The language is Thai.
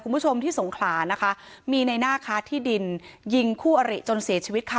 คุณผู้ชมที่สงขลานะคะมีในหน้าค้าที่ดินยิงคู่อริจนเสียชีวิตค่ะ